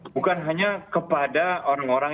bukan hanya kepada orang orang